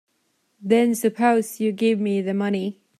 Then suppose you give me the money.